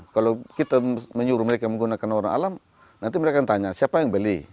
kalau kita menyuruh mereka menggunakan warna alam nanti mereka akan tanya siapa yang beli